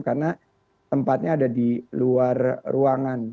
karena tempatnya ada di luar ruangan